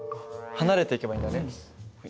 離れていけばいいんだね。